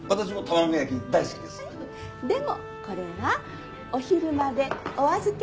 でもこれはお昼までお預け！